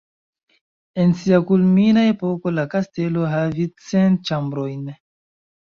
En sia kulmina epoko la kastelo havis cent ĉambrojn.